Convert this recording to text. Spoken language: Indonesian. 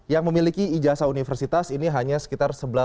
yang memiliki ijasa universitas ini hanya ada di indonesia